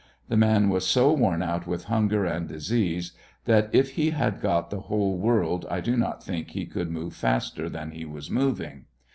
The man was so wo out with hunger and disease, that if he had got the whole world I do not think he cou move faster than he was moving.